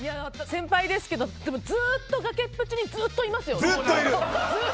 先輩ですけどずっとがけっぷちにずっといますよね。